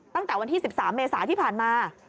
ตั้งแต่วันที่๑๓เมษาที่ผ่านมา